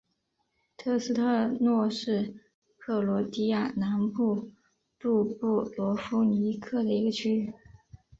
特斯特诺是克罗地亚南部杜布罗夫尼克的一个区。